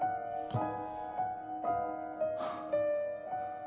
あっ。